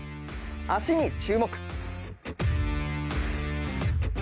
足に注目。